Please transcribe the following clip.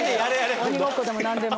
鬼ごっこでも何でも。